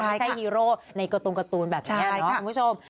ไม่ใช่ฮีโร่ในการ์ตูนแบบนี้นะคุณผู้ชม